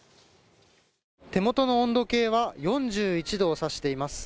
手元の温度計は４１度を指しています。